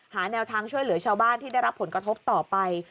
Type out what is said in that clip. หาแนวทางช่วยเหลือชาวบ้านที่ได้รับผลกระทบต่อไป